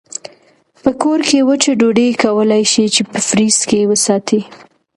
په کور کې وچه ډوډۍ کولای شئ چې په فریزر کې وساتئ.